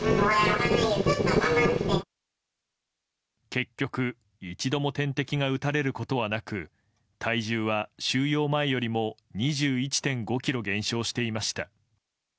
結局、一度も点滴が打たれることはなく体重は、収容前よりも２１．５ｋｇ減少していました。